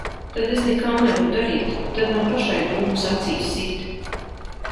Tad es nekā nevaru darīt. Tad man pašai dūmus acīs sit.